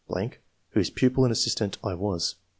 , whose pupil and assistant I was.